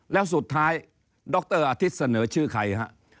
แล้วสุดท้ายดรอาทิตย์เสนอชื่อใครฮะ